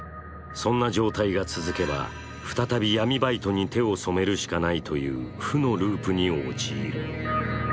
そんな状態が続けば再び闇バイトに手を染めるしかないという負のループに陥る。